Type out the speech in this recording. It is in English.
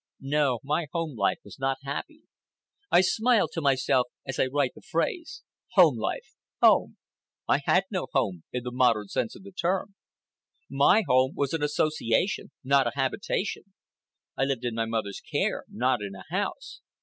No, my home life was not happy. I smile to myself as I write the phrase. Home life! Home! I had no home in the modern sense of the term. My home was an association, not a habitation. I lived in my mother's care, not in a house.